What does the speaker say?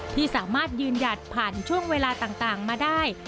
ที่สามารถยืนหยัดผ่านช่วงเวลาต่างมาได้